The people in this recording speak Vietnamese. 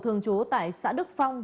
thường trú tại xã đức phong